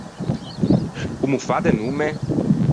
Comm’o fa de nomme?